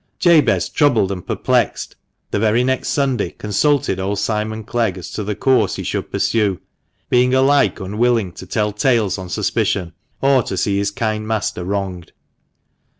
Jabez, troubled and perplexed, the very next Sunday consulted old Simon Clegg as to the course he should pursue, being alike unwilling to tell tales on suspicion, or to see his kind master wronged.